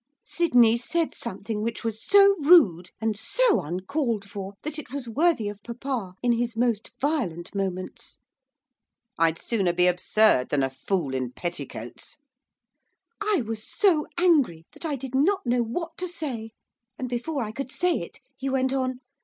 Sydney said something which was so rude and so uncalled for! that it was worthy of papa in his most violent moments. 'I'd sooner be absurd than a fool in petticoats.' I was so angry that I did not know what to say, and before I could say it he went on.